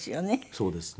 そうですね。